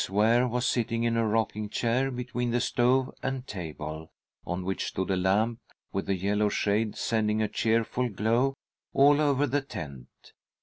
Ware was sitting in a rocking chair between the stove and table, on which stood a lamp with a yellow shade, sending a cheerful glow all over the tent.